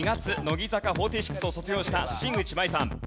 乃木坂４６を卒業した新内眞衣さん。